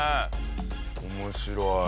面白い。